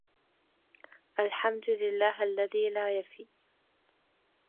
الحمد لله الذي لا يفي